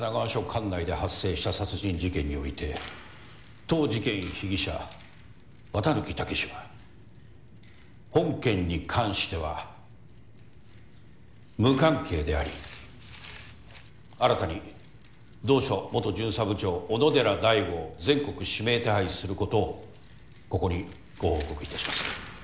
管内で発生した殺人事件において当事件被疑者綿貫猛司は本件に関しては無関係であり新たに同署元巡査部長小野寺大伍を全国指名手配することをここにご報告いたします。